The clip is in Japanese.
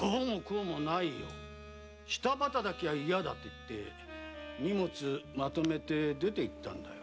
下働きが嫌だと言って荷物をまとめて出て行ったのだよ。